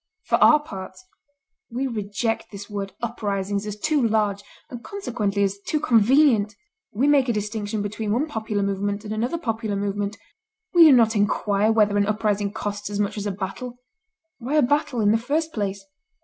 For our parts, we reject this word uprisings as too large, and consequently as too convenient. We make a distinction between one popular movement and another popular movement. We do not inquire whether an uprising costs as much as a battle. Why a battle, in the first place?